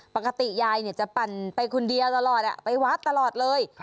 ปกติยายจะปั่นไปคนเดียวตลอดไปวัดตลอดเลย